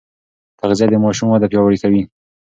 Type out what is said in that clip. تغذيه د ماشوم وده پیاوړې کوي.